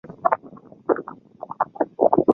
太平湖已彻底消失。